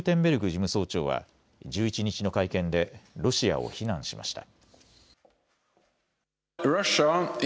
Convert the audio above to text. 事務総長は１１日の会見でロシアを非難しました。